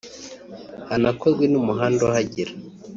hanakorwe n’umuhanda uhagera